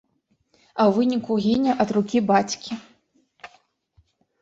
А ў выніку гіне ад рукі бацькі.